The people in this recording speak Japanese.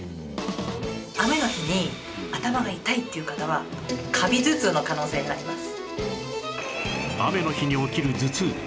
雨の日に頭が痛いっていう方はカビ頭痛の可能性があります。